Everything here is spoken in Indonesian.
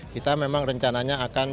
kita memang rencananya akan